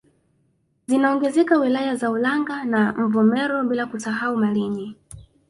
Zinaongezeka wilaya za Ulanga na Mvomero bila kusahau Malinyi